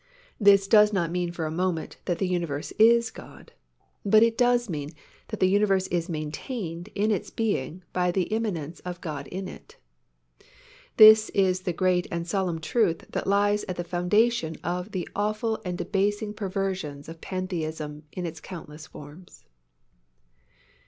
This does not mean for a moment that the universe is God, but it does mean that the universe is maintained in its being by the immanence of God in it. This is the great and solemn truth that lies at the foundation of the awful and debasing perversions of Pantheism in its countless forms.